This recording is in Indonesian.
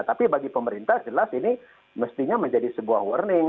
tapi bagi pemerintah jelas ini mestinya menjadi sebuah warning